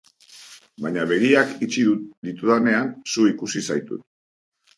Baina begiak itxi ditudanean, zu ikusi zaitut.